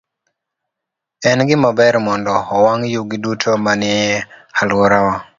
En gima ber mondo owang' yugi duto manie alworawa.